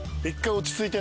落ち着いた？